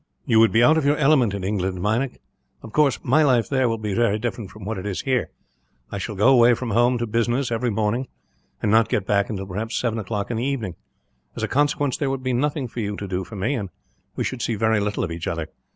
"You would be out of your element in England, Meinik. Of course, my life there will be very different from what it is here. I shall go away from home to business, every morning, and not get back until perhaps seven o' clock in the evening. As a consequence, there would be nothing for you to do for me, and we should see very little of each other.